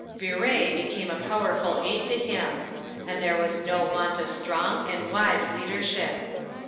Viret became a powerful aid to him, and there was no want of strong and wise leadership.